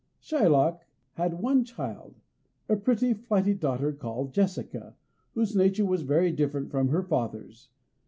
Shylock had one child, a pretty, flighty daughter called Jessica, whose nature was very different from her father's.